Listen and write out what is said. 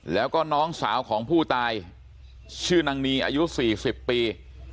แล้วก็น้องสาวของผู้ตายชื่อนางนีอายุ๔๐ปี